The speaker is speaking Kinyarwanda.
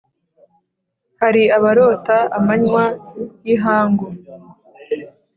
Hari abarota amanywa y ' ihangu,